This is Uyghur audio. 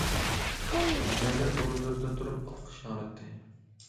ھەممەيلەن ئورۇنلىرىدىن تۇرۇپ ئالقىش ياڭراتتى.